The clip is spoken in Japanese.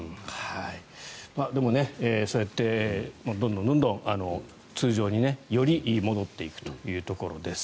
でも、そうやってどんどん通常により戻っていくというところです。